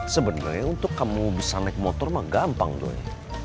sebenernya untuk kamu bisa naik motor mah gampang doi